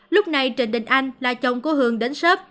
lúc này trịnh đình anh là chồng của hường đến sớp